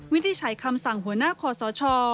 วินที่ใช้คำสั่งหัวหน้าขอสช